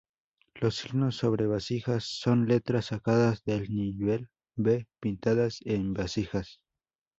Los signos sobre vasijas son letras sacadas del Lineal B pintadas en vasijas.